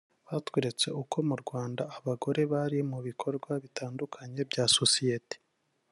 batweretse uko mu Rwanda abagore bari mu bikorwa bitandukanye bya Sosiyete